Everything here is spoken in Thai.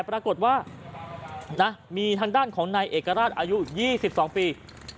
ปรากฏว่ามีทางด้านของนายเอกราชอายุ๒๒ปี